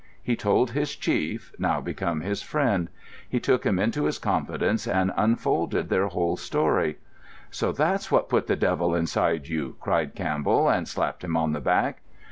He told his chief, now become his friend; he took him into his confidence and unfolded their whole story. "So that's what put the devil inside you!" cried Campbell, and slapped him on the back.